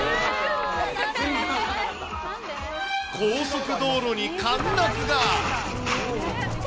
高速道路に陥落が。